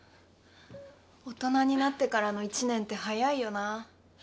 大人になってからの１年って早いよな。